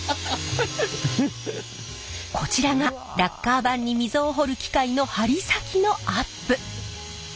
こちらがラッカー盤に溝を彫る機械の針先のアップ。